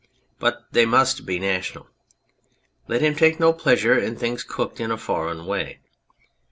But they must be national. Let him take no pleasure in things cooked in a foreign way.